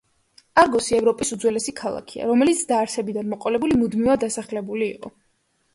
არგოსი ევროპის უძველესი ქალაქია, რომელიც დაარსებიდან მოყოლებული მუდმივად დასახლებული იყო.